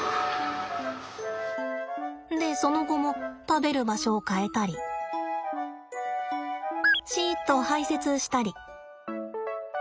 でその後も食べる場所を変えたりシっと排せつしたり。